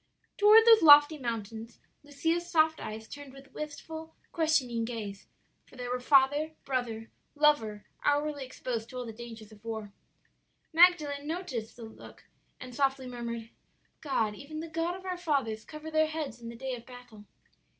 "Toward those lofty mountains Lucia's soft eyes turned with wistful, questioning gaze; for there were father, brother, lover, hourly exposed to all the dangers of war. "Magdalen noted the look, and softly murmured, 'God, even the God of our fathers, cover their heads in the day of battle!'